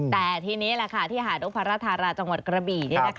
แต่ทีนี้แหละค่ะที่หาดนกพรธาราจังหวัดกระบี่